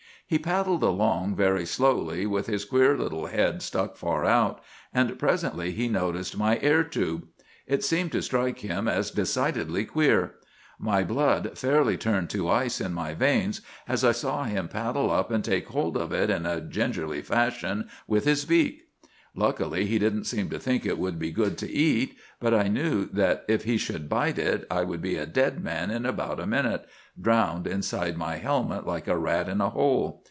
"'He paddled along very slowly, with his queer little head stuck far out, and presently he noticed my air tube. It seemed to strike him as decidedly queer. My blood fairly turned to ice in my veins as I saw him paddle up and take hold of it in a gingerly fashion with his beak. Luckily, he didn't seem to think it would be good to eat; but I knew that if he should bite it I would be a dead man in about a minute, drowned inside my helmet like a rat in a hole.